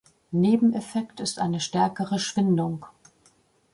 Nebeneffekt ist eine stärkere Schwindung.